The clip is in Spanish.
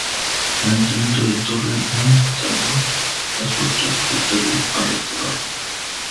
El ayuntamiento de Torrent ha instado a su actual propietario a restaurarlo.